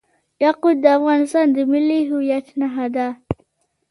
یاقوت د افغانستان د ملي هویت نښه ده.